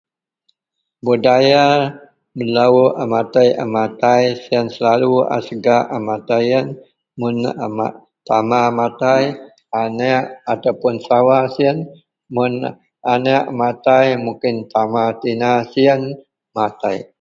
Budaya melo a matek a matai siyen selalu a segak a matai iyen mun a tama matai anek atau puon sawa siyen mun anek matai mungkin tama tina siyen matek